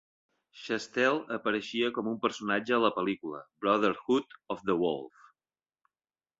Chastel apareixia com un personatge a la pel·lícula "Brotherhood of the Wolf".